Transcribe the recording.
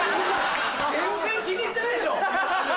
全然気に入ってないでしょ！